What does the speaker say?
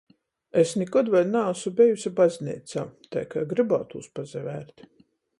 Es nikod vēļ naasu bejuse bazneicā, tai kai grybātūs pasavērt.